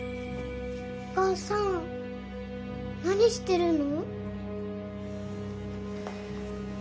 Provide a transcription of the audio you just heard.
お母さん、何してるの？